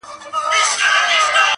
په کوټه کي به په غېږ کي د څښتن وو!!